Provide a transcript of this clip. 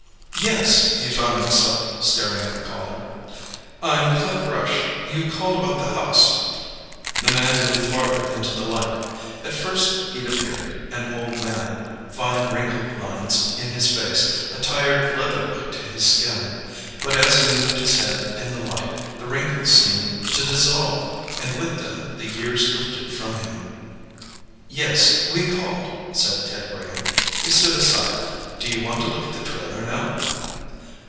"Yes." He found himself staring at the caller. "I'm Clint Rush. You called about the house?" The man moved farther into the light. At first, he'd appeared an old man, fine wrinkle lines in his face, a tired leather look to his skin. But as he moved his head in the light, the wrinkles seemed to dissolve and with them, the years lifted from him. "Yes, we called," said Ted Graham. He stood aside. "Do you want to look at the trailer now?"